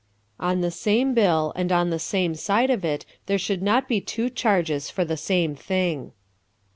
On the same bill and on the same side of it there should not be two charges for the same thing.